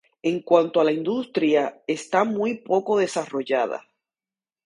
En cuanto a la industria, está muy poco desarrollada.